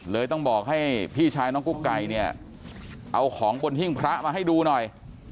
ต้องบอกให้พี่ชายน้องกุ๊กไก่เนี่ยเอาของบนหิ้งพระมาให้ดูหน่อย